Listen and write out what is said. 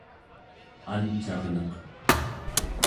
ancarneq